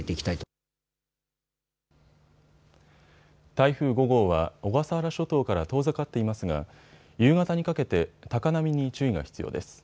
台風５号は小笠原諸島から遠ざかっていますが夕方にかけて高波に注意が必要です。